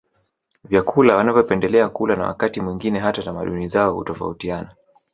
Vyakula wanavyopendelea kula na wakati mwingine hata tamaduni zao utofautiana